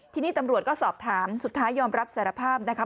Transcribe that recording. ทีนี้ตำรวจก็สอบถามสุดท้ายยอมรับสารภาพนะคะ